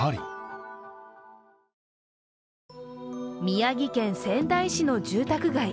宮城県仙台市の住宅街。